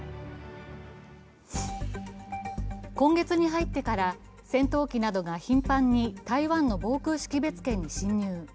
今月に入ってから戦闘機などが頻繁に台湾の防空識別圏に進入。